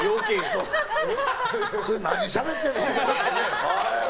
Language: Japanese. それ、何しゃべってんの？